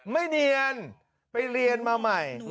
ไม่เนียนไปเรียนมาใหม่